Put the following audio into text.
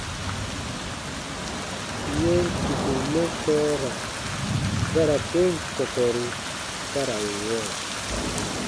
Yɛm kpikum mɛ sɔɔra bara ten kɔkɔru ta ra n wãa.